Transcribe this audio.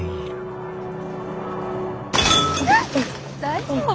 大丈夫？